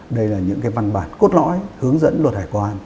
đây là những văn bản cốt lõi hướng dẫn luật hải quan